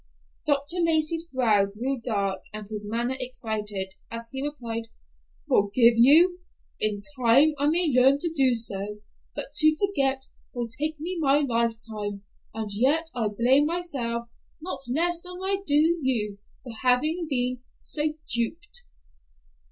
Dr. Lacey's brow grew dark and his manner excited, as he replied, "Forgive you! In time I may learn to do so, but to forget will take me my lifetime, and yet I blame myself not less than I do you for having been so duped."